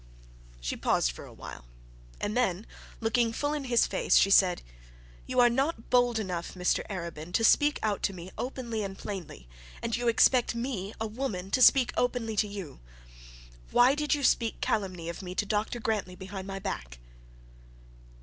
She paused for a while, and then looking full in his face, she said, 'You are not bold enough, Mr Arabin, to speak out to me openly and plainly, and yet you expect me, a woman, to speak openly to you. Why did you speak calumny of me to Dr Grantly behind my back?'